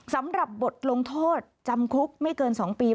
สำหรับบทลงโทษจำคุกไม่เกิน๒ปี